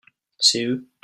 c'est eux.